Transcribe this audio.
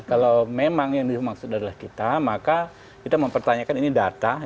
kalau memang yang dimaksud adalah kita maka kita mempertanyakan ini data